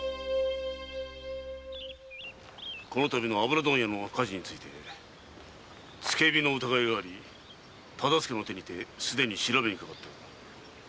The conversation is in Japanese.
この度の油問屋の火事について付け火の疑いがあり忠相の手にてすでに調べにかかっている。